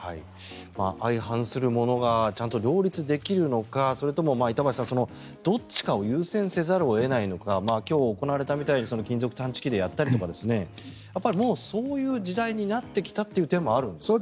相反するものがちゃんと両立できるのかそれとも板橋さん、どっちかを優先せざるを得ないのか今日、行われたみたいに金属探知機でやったりそういう時代になってきたという点もあるんですかね。